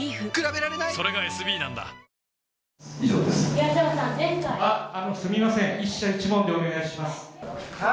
東山さん、すみません、１社１問でお願いします。